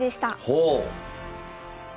ほう！